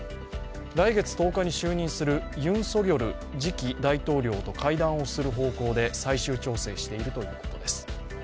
来月１０日に就任するユン・ソギョル次期大統領と会談をする方向で最終調整しているということです。